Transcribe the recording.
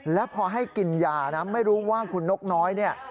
แล้วพอให้กินยานะไม่รู้ว่าคุณนกน้อยเนี่ย